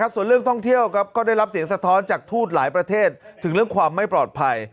ส่วนเรื่องท่องเที่ยวก็ได้รับเสียงสะท้อนจากทูตหลายประเทศถึงเรื่องความไม่ปลอดภัย